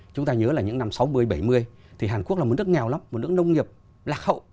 chúng ta nhớ là những năm sáu mươi bảy mươi thì hàn quốc là một nước nghèo lắm một nước nông nghiệp lạc hậu